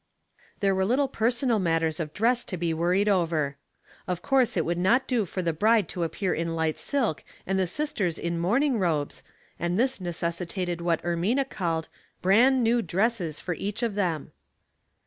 There were little personal matters of dress to be worried over. Of course it would not do for the bride to appear in light silk and the sisters in mourning robes, and this necessitated what Er mina called " bran " new dresses for each one of them.